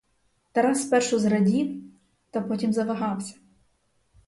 Тарас спершу зрадів, та потім завагався.